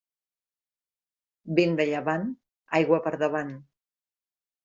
Vent de llevant, aigua per davant.